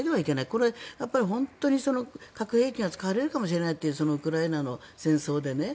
これ、本当に核兵器が使われるかもしれないというウクライナの戦争でね。